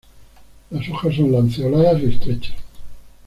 Las hojas son lanceoladas y estrechas.